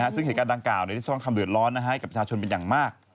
ซึ่งเหตุการณ์ดังกล่าวได้สร้างความเดือดร้อนให้กับประชาชนเป็นอย่างมาก